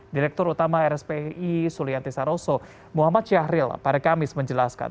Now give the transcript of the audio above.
direktur utama rspi sulianti saroso muhammad syahril pada kamis menjelaskan